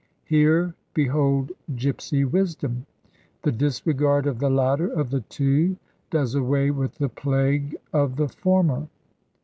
Here behold gypsy wisdom! The disregard of the latter of the two does away with the plague of the former.